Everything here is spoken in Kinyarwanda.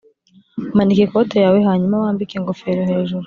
manika ikoti yawe hanyuma wambike ingofero hejuru.